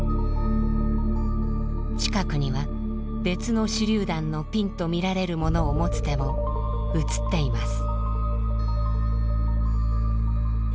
近くには別の手りゅう弾のピンとみられるものを持つ手も写っています。